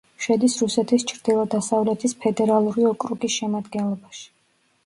შედის რუსეთის ჩრდილო-დასავლეთის ფედერალური ოკრუგის შემადგენლობაში.